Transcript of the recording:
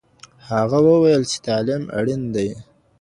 هغه وويل چي تعليم اړين دی.